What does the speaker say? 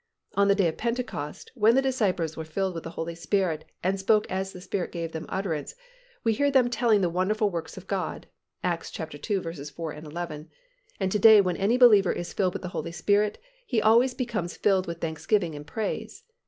On the Day of Pentecost, when the disciples were filled with the Holy Spirit, and spoke as the Spirit gave them utterance, we hear them telling the wonderful works of God (Acts ii. 4, 11), and to day when any believer is filled with the Holy Spirit, he always becomes filled with thanksgiving and praise.